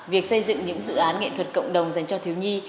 việc xây dựng những dự án nghệ thuật cộng đồng dành cho thiếu nhi